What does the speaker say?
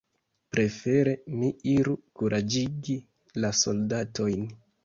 Prefere mi iru kuraĝigi la soldatojn.